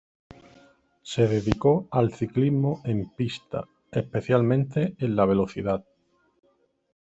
Se dedicó al ciclismo en pista, especialmente en la velocidad.